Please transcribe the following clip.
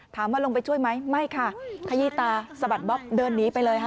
ลงไปช่วยไหมไม่ค่ะขยี้ตาสะบัดบ๊อบเดินหนีไปเลยค่ะ